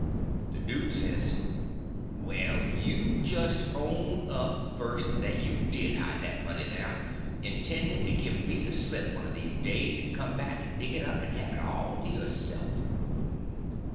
The duke says: "Well, you just own up, first, that you did hide that money there, intending to give me the slip one of these days, and come back and dig it up, and have it all to yourself."